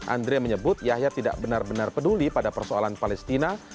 andre menyebut yahya tidak benar benar peduli pada persoalan palestina